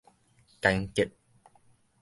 乾竭